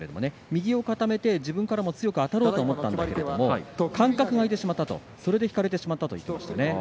右を固めて自分から強くあたろうと思ったんだけれども間隔が開いてしまった引かれてしまったと言っていました。